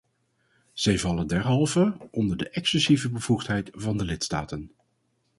Zij vallen derhalve onder de exclusieve bevoegdheid van de lidstaten.